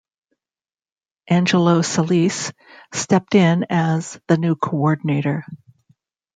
Angelo Salese stepped in as the new coordinator.